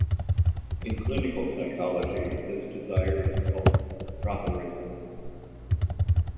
In clinical psychology, this desire is called frotteurism.